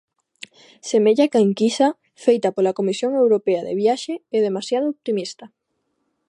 Semella que a enquisa feita pola Comisión Europea de Viaxe é demasiado optimista.